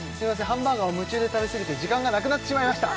ハンバーガーを夢中で食べ過ぎて時間がなくなってしまいました